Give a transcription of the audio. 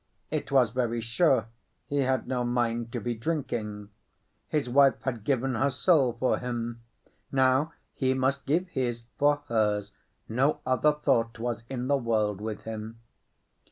It was very sure he had no mind to be drinking. His wife had given her soul for him, now he must give his for hers; no other thought was in the world with him.